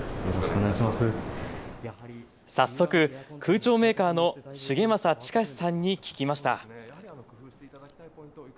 早速、空調メーカーの重政周之さんに聞きました。